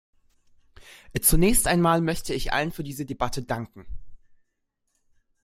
Zunächst einmal möchte ich allen für diese Debatte danken.